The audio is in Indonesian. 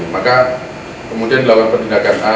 maka kemudian dilakukan penindakan a